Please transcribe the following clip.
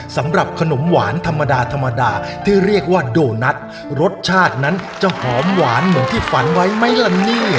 สำหรับขนมหวานธรรมดาธรรมดาที่เรียกว่าโดนัทรสชาตินั้นจะหอมหวานเหมือนที่ฝันไว้ไหมล่ะเนี่ย